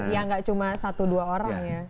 ya nggak cuma satu dua orang ya